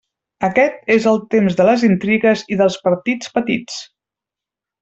Aquest és el temps de les intrigues i dels partits petits.